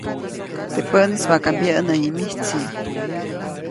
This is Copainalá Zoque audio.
Teʼ päʼnis maka mbyäʼnäyi mijtsi.